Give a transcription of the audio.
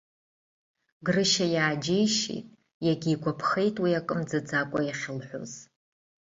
Грышьа иааџьеишьеит, иагьигәаԥхеит уи акы мӡаӡакәа иахьылҳәоз.